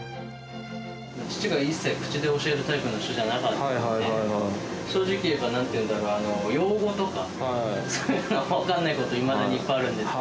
父が一切、口で教えるタイプの人じゃなかったんで、正直言えばなんて言うんだろう、用語とか、そういうのは分かんないこと、いまだにいっぱいあるんですよ。